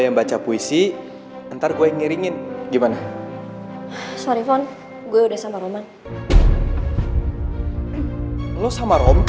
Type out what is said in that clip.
kalau gitu kami baru ke sebelah ya pak